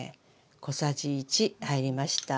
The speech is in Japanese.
小さじ１入りました。